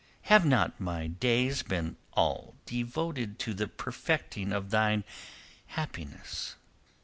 Have not my days been all devoted to the perfecting of thine happiness?